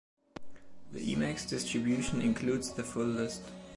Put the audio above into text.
The Emacs distribution includes the full list.